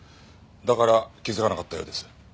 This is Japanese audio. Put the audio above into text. だから気づかなかったようです。